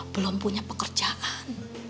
belum punya pekerjaan